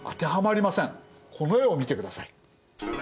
この絵を見てください。